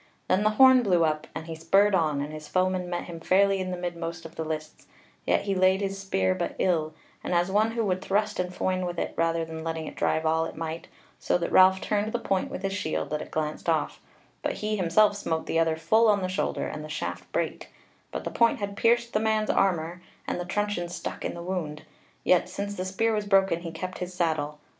Then the horn blew up and he spurred on, and his foeman met him fairly in the midmost of the lists: yet he laid his spear but ill, and as one who would thrust and foin with it rather than letting it drive all it might, so that Ralph turned the point with his shield that it glanced off, but he himself smote the other full on the shoulder, and the shaft brake, but the point had pierced the man's armour, and the truncheon stuck in the wound: yet since the spear was broken he kept his saddle.